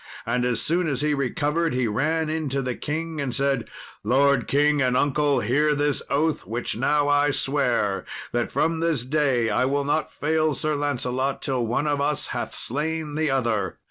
And as soon as he recovered he ran in to the king, and said, "Lord king and uncle, hear this oath which now I swear, that from this day I will not fail Sir Lancelot till one of us hath slain the other.